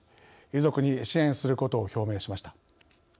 遺族に支援することを表明しました。